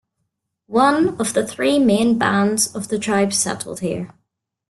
One of the three main bands of the tribe settled here.